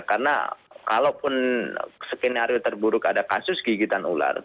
karena kalaupun skenario terburuk ada kasus gigitan ular